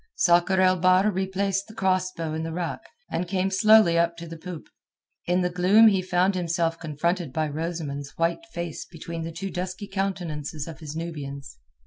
Sakr el Bahr replaced the cross bow in the rack, and came slowly up to the poop. In the gloom he found himself confronted by Rosamund's white face between the two dusky countenances of his Nubians.